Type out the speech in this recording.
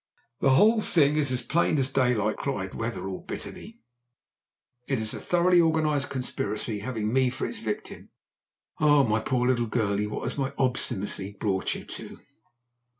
"The whole thing is as plain as daylight," cried Wetherell bitterly. "It is a thoroughly organized conspiracy, having me for its victim. Oh, my poor little girlie! What has my obstinacy brought you to!"